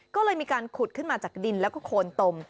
ก็เลยมีการขุดขึ้นมาจากดินแล้วก็โคนตม